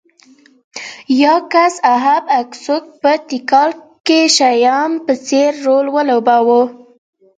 یاکس اهب اکسوک په تیکال کې شیام په څېر رول ولوباوه